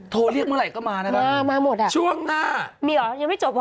โทรเรียกเมื่อไหร่ก็มานะครับช่วงหน้ารัศมีแขกยังไง